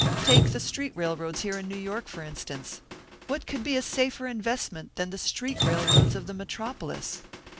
Take the street railroads here in New York, for instance. What could be a safer investment than the street railroads of the Metropolis?